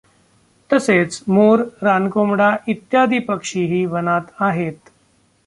तसेच मोर, रानकोंबडा, इत्यादी पक्षीही वनांत आहेत.